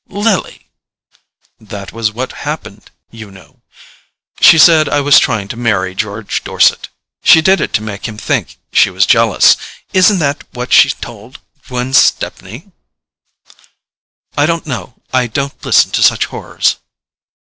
"Lily!" "That was what happened, you know. She said I was trying to marry George Dorset. She did it to make him think she was jealous. Isn't that what she told Gwen Stepney?" "I don't know—I don't listen to such horrors."